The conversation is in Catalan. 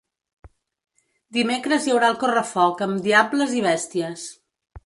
Dimecres hi haurà el correfoc amb diables i bèsties.